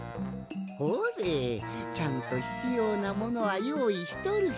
ほれちゃんとひつようなものはよういしとるし。